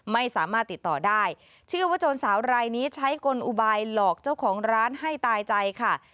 ไม่สามารถติดต่อได้เชื่อว่าโจรสาวรายนี้ใช้กลอุบายหลอกเจ้าของร้านให้ตายใจค่ะ